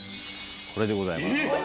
これでございます。